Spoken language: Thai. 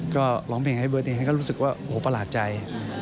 ก็ร้องเพลงให้เบิร์ตเองก็รู้สึกว่าโหประหลาดใจ